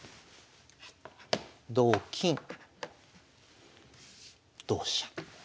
同金同飛車。